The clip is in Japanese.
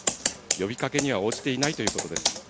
呼びかけには応じていないということです。